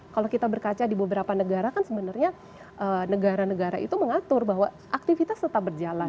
kalau kita berkaca di beberapa negara kan sebenarnya negara negara itu mengatur bahwa aktivitas tetap berjalan